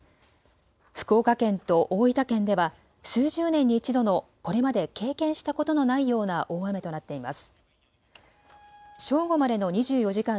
福岡県と大分県では数十年に一度のこれまで経験したことのないような大雨となっています。